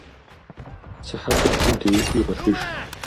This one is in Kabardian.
Сыхьэтыр блым теухуи гъуэлъыж.